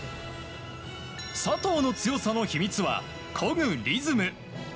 佐藤の強さの秘密はこぐリズム。